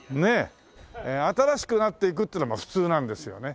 新しくなっていくっていうのが普通なんですよね。